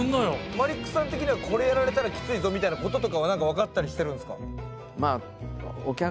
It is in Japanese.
マリックさん的にはこれやられたらキツいぞみたいなこととかは何か分かったりしてるんですか？